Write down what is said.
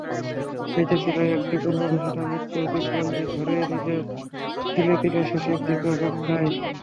বেঁচে ছিল একটি পূর্বঘোষিত মৃত্যুর দিনপঞ্জি ধরে তিলে তিলে শেষের দিনের অপেক্ষায়।